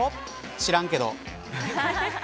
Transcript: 知らんけど。